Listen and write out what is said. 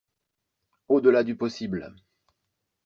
Au-delà du possible